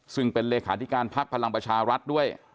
ซึ่งเป็นเลขาธิการพักพลังประชารัฐด้วย